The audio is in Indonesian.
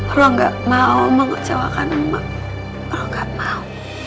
emang enggak mau mengecewakan emak emang enggak mau